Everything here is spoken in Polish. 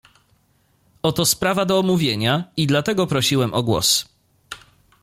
"Oto sprawa do omówienia i dlatego prosiłem o głos."